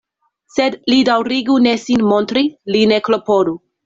Sed li daŭrigu ne sin montri, li ne klopodu.